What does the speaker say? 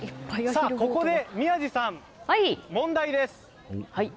ここで宮司さん、問題です！